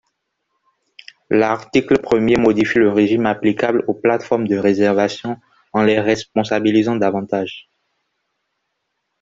L’article premier modifie le régime applicable aux plateformes de réservation en les responsabilisant davantage.